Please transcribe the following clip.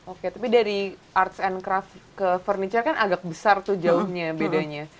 oke tapi dari arts and craft ke furniture kan agak besar tuh jauhnya bedanya